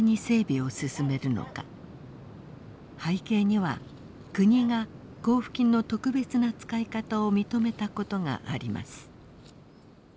背景には国が交付金の特別な使い方を認めたことがあります。